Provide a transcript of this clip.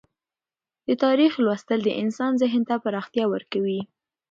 د تاریخ لوستل د انسان ذهن ته پراختیا ورکوي.